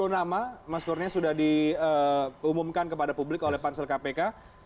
sepuluh nama mas kurnia sudah diumumkan kepada publik oleh pansel kpk